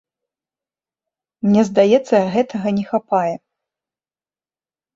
Мне здаецца, гэтага не хапае.